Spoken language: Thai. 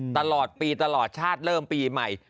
ตลอดปีตลอดชาติเริ่มปีใหม่